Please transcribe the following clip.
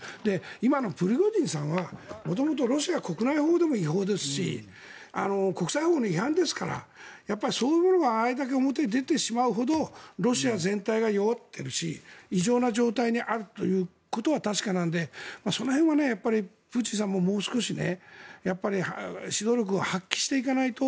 今のプリゴジンさんは元々ロシア国内法でも違法ですし国際法の違反ですからそういうものがあれだけ表に出てしまうほどロシア全体が弱っているし異常な状態にあることは確かなので、その辺はプーチンさんももう少し指導力を発揮していかないと。